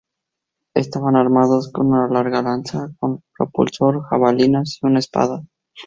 Estaban armados con una larga lanza con propulsor, jabalinas y una espada.